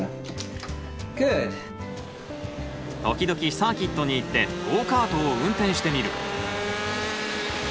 時々サーキットに行ってゴーカートを運転してみる。